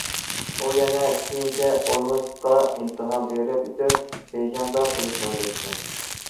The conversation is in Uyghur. ئۇ يەنە كېيىنچە ئۇنىۋېرسىتېتقا ئىمتىھان بېرىپ ئۆتۈپ، بېيجىڭدا قېلىشنى ئويلايدىكەن.